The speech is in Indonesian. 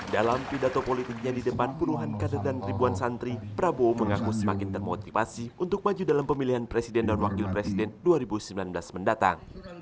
dalam pidato politiknya di depan puluhan kader dan ribuan santri prabowo mengaku semakin termotivasi untuk maju dalam pemilihan presiden dan wakil presiden dua ribu sembilan belas mendatang